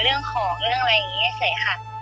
เรื่องของเรื่องอะไรอย่างนี้เฉยค่ะ